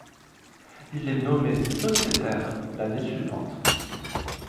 Il est nommé sociétaire l'année suivante.